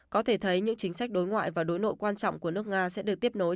có thể thấy những chính sách đối ngoại và đối nội quan trọng của nước nga sẽ được tiếp nối